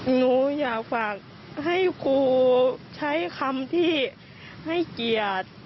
หนูอยากฝากให้ครูใช้คำที่ให้เกียรติ